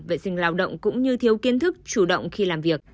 vệ sinh lao động cũng như thiếu kiến thức chủ động khi làm việc